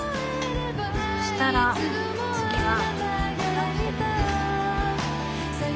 そしたら次は。